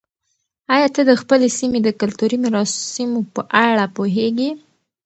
آیا ته د خپلې سیمې د کلتوري مراسمو په اړه پوهېږې؟